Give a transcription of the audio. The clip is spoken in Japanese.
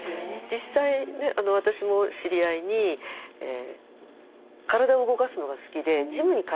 実際私も知り合いに体を動かすのが好きでジムに通い始めた。